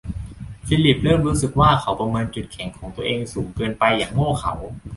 ฟิลลิปเริ่มรู้สึกว่าเขาประเมินจุดแข็งของตัวเองสูงเกินไปอย่างโง่เขลา